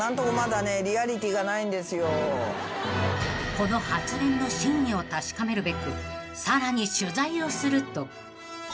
［この発言の真意を確かめるべくさらに取材をすると］